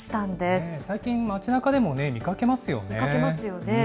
最近、街なかでも見かけます見かけますよね。